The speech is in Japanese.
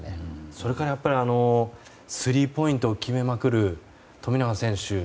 それからスリーポイントを決めまくる富永選手。